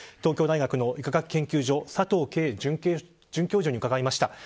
東京大学医科学研究所佐藤佳准教授に伺いました。